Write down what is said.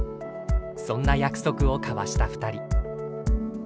そんな約束を交わした２人。